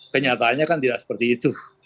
kenyataannya kan tidak seperti itu